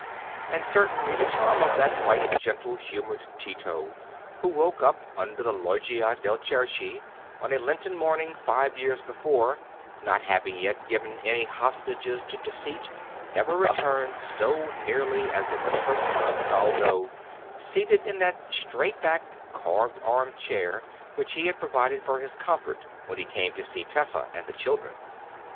And certainly the charm of that bright, gentle humoured Tito who woke up under the Loggia de' Cerchi on a Lenten morning five years before, not having yet given any hostages to deceit, never returned so nearly as in the person of Naldo, seated in that straight backed, carved arm chair which he had provided for his comfort when he came to see Tessa and the children.